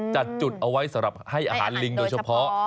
จัดจุดเอาไว้สำหรับให้อาหารลิงโดยเฉพาะ